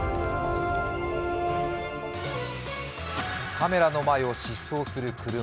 カメラの前を疾走する車。